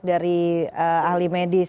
dari ahli medis